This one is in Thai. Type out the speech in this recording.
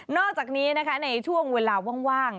อกจากนี้นะคะในช่วงเวลาว่าง